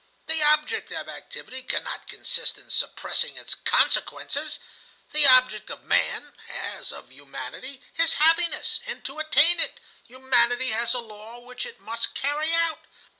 The object of activity cannot consist in suppressing its consequences. The object of Man, as of Humanity, is happiness, and, to attain it, Humanity has a law which it must carry out.